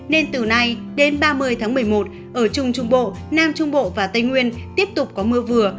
nên từ nay đến ba mươi tháng một mươi một ở trung trung bộ nam trung bộ và tây nguyên tiếp tục có mưa vừa